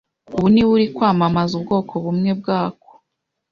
ubu niwe uri kwamamaza ubwoko bumwe bwako.